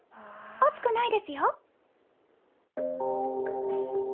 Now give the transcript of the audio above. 熱くないですよ。